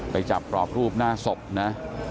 ไปจับกรอบรูปหน้าศพนะ